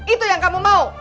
itu yang kamu mau